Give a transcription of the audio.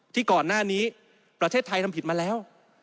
ที่ก่อนหน้านี้ประเทศไทยทำผิดมาแล้ว